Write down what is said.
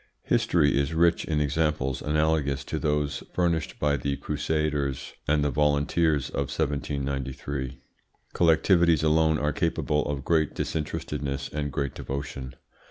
History is rich in examples analogous to those furnished by the Crusaders and the volunteers of 1793. Collectivities alone are capable of great disinterestedness and great devotion.